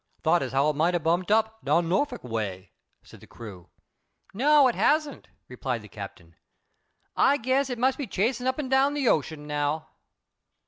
"Thought as how it mout a bumped up down Norfolk way," said the crew. "No, it hasn't," replied the Captain. "I guess it must be chasing up and down the ocean now."